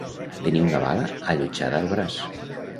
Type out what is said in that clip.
Tenir una bala allotjada al braç.